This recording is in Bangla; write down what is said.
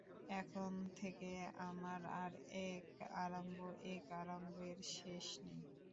এখন থেকে আমার আর-এক আরম্ভ, এ আরম্ভের শেষ নেই।